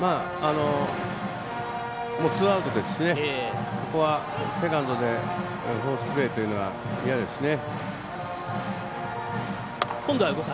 ツーアウトですしここはセカンドでフォースプレーというのは嫌ですね。